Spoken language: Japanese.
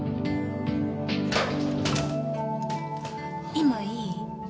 今いい？